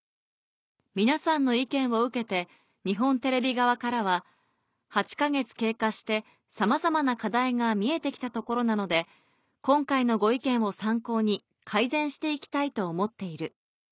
皆さんの意見を受けて日本テレビ側からは「８か月経過してさまざまな課題が見えて来たところなので今回のご意見を参考に改善して行きたいと思っている」